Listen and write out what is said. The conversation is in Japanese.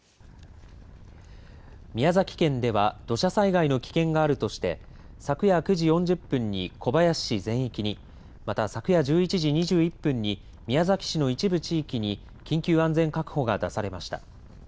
宮崎県では土砂災害の危険があるとして昨夜９時４０分に小林市全域にまた昨夜１１時２１分に宮崎市の一部地域に緊急安全確保が出されました。